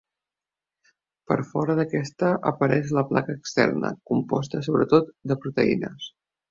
Per fora d'aquesta apareix la placa externa, composta sobretot de proteïnes.